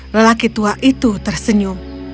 lelaki tua itu tersenyum